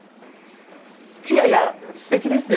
いやいやすてきですよ！